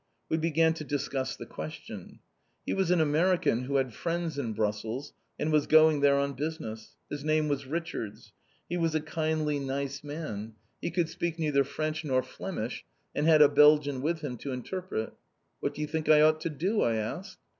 We began to discuss the question. He was an American who had friends in Brussels, and was going there on business. His name was Richards. He was a kindly nice man. He could speak neither French nor Flemish, and had a Belgian with him to interpret. "What do you think I ought to do?" I asked.